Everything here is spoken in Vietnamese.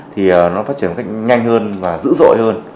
thì nó phát triển một cách nhanh hơn và dữ dội hơn